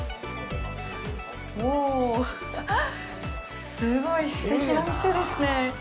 おぉ、すごいすてきな店ですね。